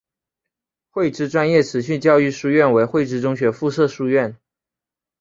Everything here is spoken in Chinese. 汇知专业持续教育书院为汇知中学附设书院。